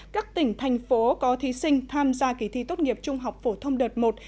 các tỉnh thành phố có thí sinh tham gia kỳ thi tốt nghiệp trung học phổ thông đợt một